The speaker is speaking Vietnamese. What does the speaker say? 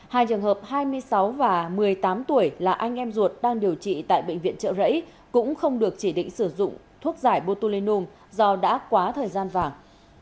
hai trường hợp hai mươi sáu và một mươi tám tuổi là anh em ruột đang điều trị tại bệnh viện trợ rẫy cũng không được chỉ định sử dụng thuốc giải botulinum do đã quá thời gian vàng